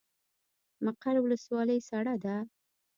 مقر ولسوالۍ سړه ده؟